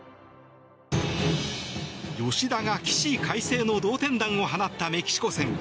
吉田が起死回生の同点弾を放ったメキシコ戦。